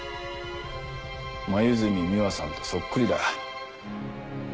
黛美羽さんとそっくりだ。